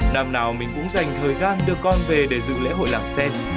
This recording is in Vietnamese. năm nào mình cũng dành thời gian đưa con về để dự lễ hội làng sen